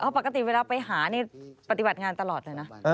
ปกติเวลาไปหานี่ปฏิบัติงานตลอดเลยนะ